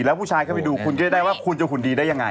แล้วผู้ชายเข้าไปดูคุณจะได้ว่าคุณจะหุ่นดีได้ยังไง